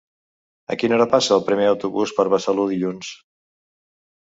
A quina hora passa el primer autobús per Besalú dilluns?